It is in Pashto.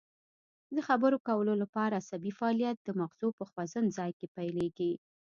د خبرو کولو لپاره عصبي فعالیت د مغزو په خوځند ځای کې پیلیږي